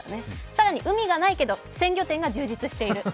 更に海がないけど、鮮魚店が充実している。